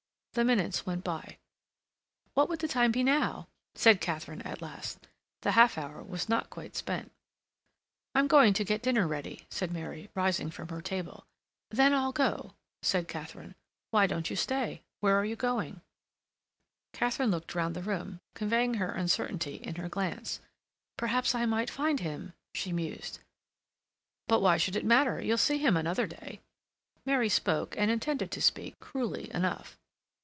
The minutes went by. "What would be the time now?" said Katharine at last. The half hour was not quite spent. "I'm going to get dinner ready," said Mary, rising from her table. "Then I'll go," said Katharine. "Why don't you stay? Where are you going?" Katharine looked round the room, conveying her uncertainty in her glance. "Perhaps I might find him," she mused. "But why should it matter? You'll see him another day." Mary spoke, and intended to speak, cruelly enough.